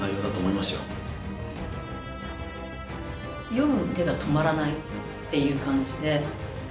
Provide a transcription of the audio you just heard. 読む手が止まらないっていう感じで。